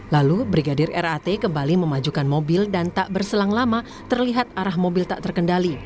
lalu brigadir rat kembali memajukan mobil dan tak berselang lama terlihat arah mobil tak terkendali